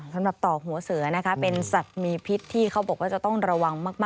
สำหรับต่อหัวเสือนะคะเป็นสัตว์มีพิษที่เขาบอกว่าจะต้องระวังมาก